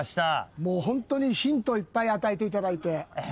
もうホントにヒントいっぱい与えていただいて。